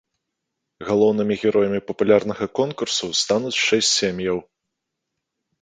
Галоўнымі героямі папулярнага конкурсу стануць шэсць сем'яў.